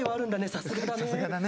さすがだね。